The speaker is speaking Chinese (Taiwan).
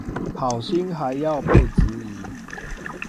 好心還要被質疑